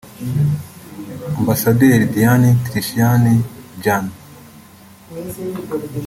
Ambasaderi Dian Triansyah Djani